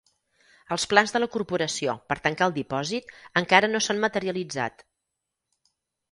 Els plans de la corporació per tancar el dipòsit encara no s'han materialitzat.